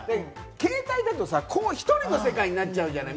携帯だと１人の世界になっちゃうじゃない。